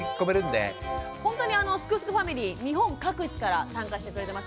ほんとにすくすくファミリー日本各地から参加してくれてますから。